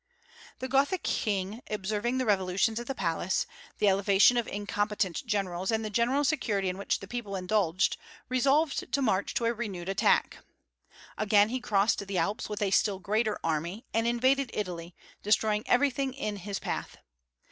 The Gothic king observing the revolutions at the palace, the elevation of incompetent generals, and the general security in which the people indulged, resolved to march to a renewed attack. Again he crossed the Alps, with a still greater army, and invaded Italy, destroying everything in his path.